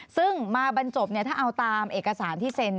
ซึ่งมาบรรจบถ้าเอาตามเอกสารที่เซ็น